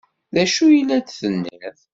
D acu ay la d-tenniḍ?